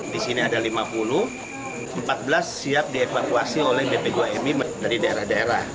di sini ada lima puluh empat belas siap dievakuasi oleh bp dua mi dari daerah daerah